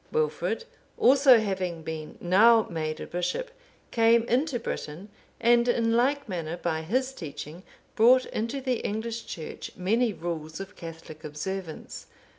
Wilfrid also having been now made a bishop, came into Britain, and in like manner by his teaching brought into the English Church many rules of Catholic observance.